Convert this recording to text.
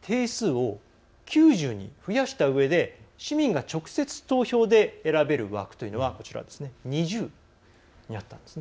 定数を９０に増やしたうえで市民が直接投票で選べる枠というのは２０になったんですね。